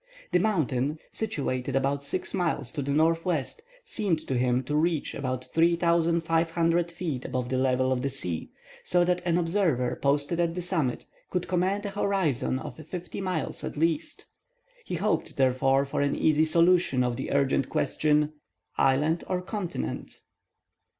The mountain, situated about six miles to the northwest, seemed to him to reach about 3,500 feet above the level of the sea, so that an observer posted at its summit, could command a horizon of fifty miles at least. He hoped, therefore, for an easy solution of the urgent question, "Island or continent?"